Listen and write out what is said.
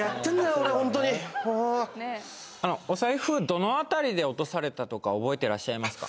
俺ホントにお財布どの辺りで落とされたとか覚えてらっしゃいますか？